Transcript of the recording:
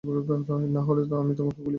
নাহলে আমি তোমাকে গুলি করব।